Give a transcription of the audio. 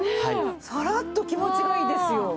サラッと気持ちがいいですよ。